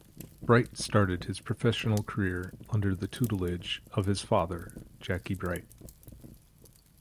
Bright started his professional career under the tutelage of his father, Jackie Bright.